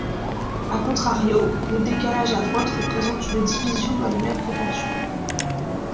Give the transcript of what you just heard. A contrario, le décalage à droite représente une division dans les mêmes proportions.